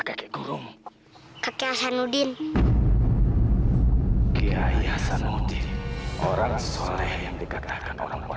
kakek gurumu kakek hasanuddin kiai hasanuddin orang soleh yang dikatakan orang orang itu bener